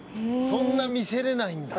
「そんな見せれないんだ」